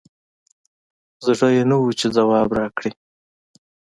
زړه یي نه وو چې ځواب راکړي